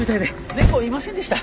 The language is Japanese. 猫いませんでした。